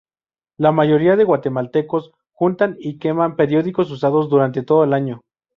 La mayoría de guatemaltecos juntan y queman periódicos usados durante todo el año.